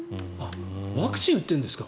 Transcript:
ワクチンを打ってるんですか？